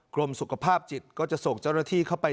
กรมสุขภาพจิตก็จะส่งเจ้าหน้าที่เข้าไป